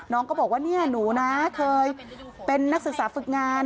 น้องก็บอกว่าหนูเคยเป็นนักศึกษาฝึกงาน